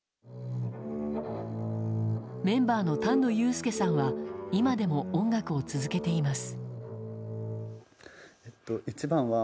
メンバーの丹野裕理さんは今でも音楽を続けています。